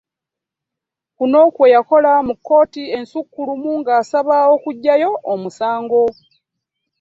Kuno kwe yakola mu kkooti Ensukkulumu ng'asaba okuggyayo omusango